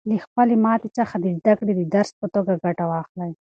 له خپلې ماتې څخه د زده کړې د درس په توګه ګټه واخلئ.